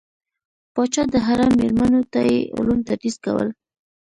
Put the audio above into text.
پاچا د حرم میرمنو ته یې علوم تدریس کول.